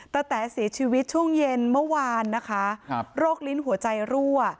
แต๋เสียชีวิตช่วงเย็นเมื่อวานนะคะโรคลิ้นหัวใจรั่ว